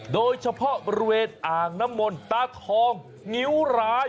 โดยเฉพาะบริเวณอ่างน้ำมนตาทองงิ้วร้าย